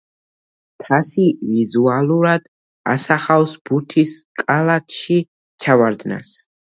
თასი ვიზუალურად ასახავს ბურთის კალათში ჩავარდნას.